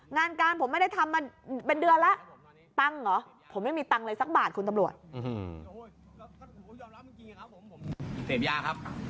งานการผมไม่ได้ทำมาอ่ะเป็นเดือนละตังหรอ